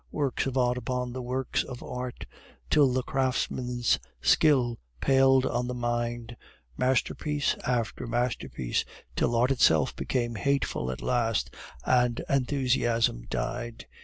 Works of art upon works of art, till the craftsman's skill palled on the mind, masterpiece after masterpiece till art itself became hateful at last and enthusiasm died.